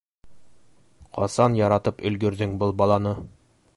Ҡасан яратып өлгөрҙөң был баланы?